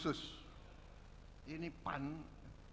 ini pan sangat kreatif dan sangat baik untuk kemampuan ini